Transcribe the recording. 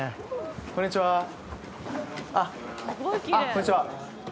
こんにちは。